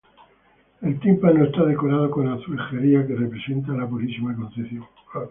El tímpano está decorado con azulejería que representa a la Purísima Concepción.